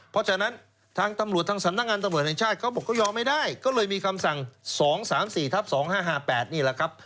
เพราะฉะนั้นทางตำรวจทางสำนักงานตำรวจแห่งชาติเขาบอกเขายอมไม่ได้ก็เลยมีคำสั่ง๒๓๔ทับ๒๕๕๘นี่แหละครับ